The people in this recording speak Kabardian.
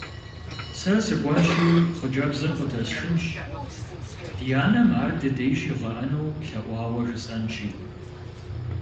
Сэ сыкӏуэнщи, хъыджэбзыр къыдэсшынщ, ди анэм ар дыдей щигъэӀэну лъэӀуауэ жысӏэнщи.